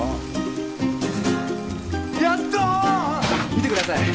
見てください。